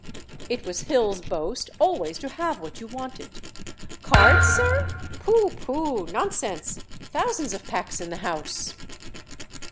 It was Hill's boast always to have what you wanted. "Cards, sir? Pooh! pooh! Nonsense! thousands of packs in the house."